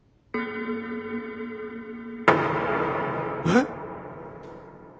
えっ？